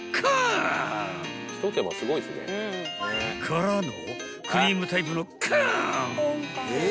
［からのクリームタイプのコーン！］